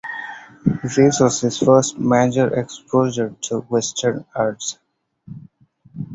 This was his first major exposure to Western art.